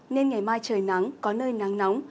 nên ngày mai trời nắng có nơi nắng nóng